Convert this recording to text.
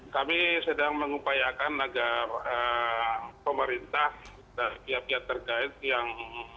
kami sedang mengupayakan agar pemerintah dan pihak pihak terkait yang